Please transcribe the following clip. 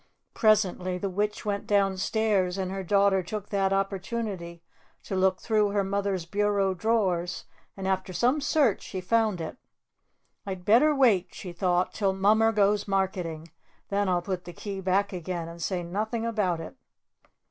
Presently, the Witch went downstairs, and her daughter took that opportunity to look through her mother's bureau drawers; and after some search, she found it. "I'd better wait," she thought, "till Mummer goes marketing. Then I'll put the key back again and say nothing about it."